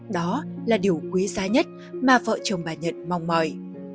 đó là điều quý giá nhất mà vợ chồng bà nhật mong mỏi